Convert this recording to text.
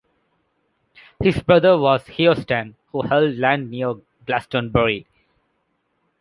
His brother was Heorstan, who held land near Glastonbury.